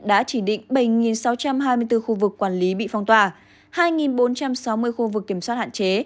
đã chỉ định bảy sáu trăm hai mươi bốn khu vực quản lý bị phong tỏa hai bốn trăm sáu mươi khu vực kiểm soát hạn chế